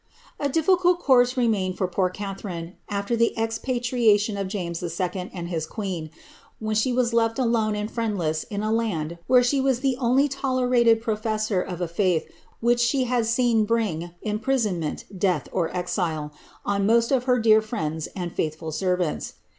A difficult course remained for poor Catharine afler the expatriatioi of James II. and his queen, when slie was left alone and friendless io t land where she wastlic only tolerated professor of a faith which she had seen bring imprisonment, death, or exile, on most of her dearest frieDdi and faitliful servants.